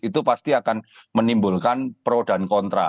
itu pasti akan menimbulkan pro dan kontra